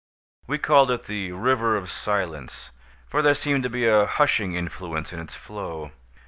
We called it the "River of Silence"; for there seemed to be a hushing influence in its flow.